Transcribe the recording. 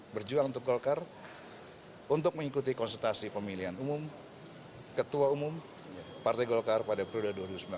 berjuang untuk golkar untuk mengikuti konsultasi pemilihan umum ketua umum partai golkar pada periode dua ribu sembilan belas dua ribu dua puluh